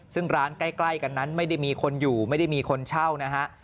ซึ่งร้านใกล้กันนั้นไม่ได้มีคนอยู่ไม่ได้มีคนเช่านะฮะ